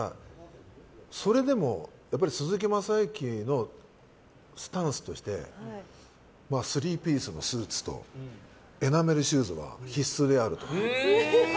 それでもやっぱり鈴木雅之のスタンスとしてスリーピースのスーツとエナメルシューズは必須であると。